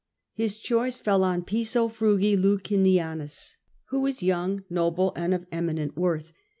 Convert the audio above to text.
His choice fell on Piso Frugi Licinianus, who was young, noble, and of eminent worth.